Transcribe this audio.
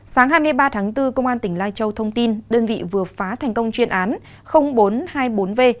sáng hai mươi ba tháng bốn công an tỉnh lai châu thông tin đơn vị vừa phá thành công chuyên án bốn trăm hai mươi bốn v